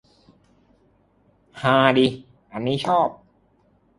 ฮา ชอบ